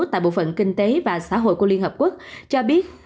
tại bộ phận kinh tế và xã hội của liên hợp quốc cho biết